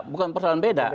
bukan persoalan beda